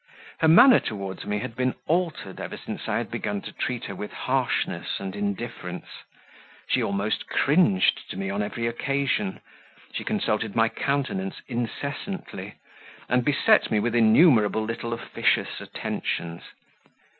Her manner towards me had been altered ever since I had begun to treat her with hardness and indifference: she almost cringed to me on every occasion; she consulted my countenance incessantly, and beset me with innumerable little officious attentions.